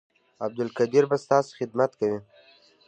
عبدالقدیر به ستاسو خدمت کوي